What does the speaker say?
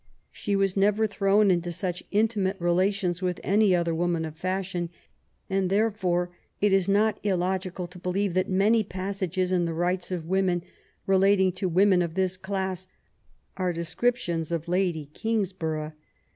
She was never thrown into such intimate relations with any other woman of fashion, and there fore it is not illogical to believe that many passages in the Rights of Women, relating to women of this class, are descriptions of Lady Kingsborough.